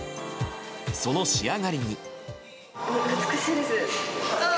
その仕上がりに。